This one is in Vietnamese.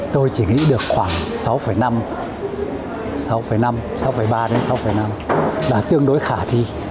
tôi chỉ nghĩ được khoảng sáu năm sáu ba đến sáu năm là tương đối khả thi